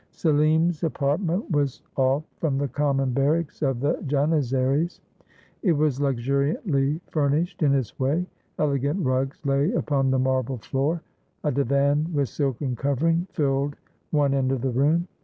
Selim's apartment was off from the common barracks of the Janizaries. It was luxuriantly furnished in its way. Elegant rugs lay upon the marble floor. A divan, with silken covering, filled one end of the room.